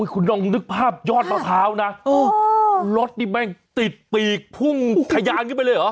คุณลองนึกภาพยอดมะพร้าวนะรถนี่แม่งติดปีกพุ่งทะยานขึ้นไปเลยเหรอ